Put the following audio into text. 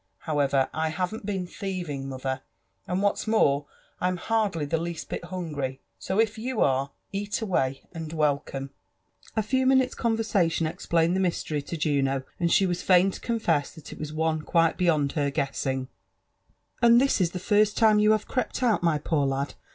However, I haven't been thieving, mother; and what's more, I'm hardly the least bit hungry; so if you are, eat away, and welcome. /ONATHAN JEFFERSON WHITLAW. 169 A few minutes' conversation explained the mystery to Jxino, and she was fain to confess that it was one quite beyond her guessing. And is this the first time you have crept out, my poor lad?